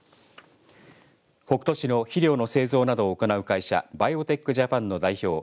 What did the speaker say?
北杜市の肥料の製造などを行う会社バイオ・テック・ジャパンの代表